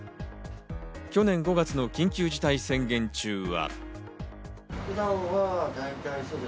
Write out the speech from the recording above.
去年５月の緊急事態宣言中は。